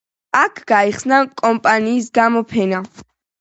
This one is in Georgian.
აქ გაიხსნა კომპანიის გამოფენა.